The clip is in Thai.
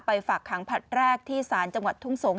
ฝากขังผลัดแรกที่ศาลจังหวัดทุ่งสงศ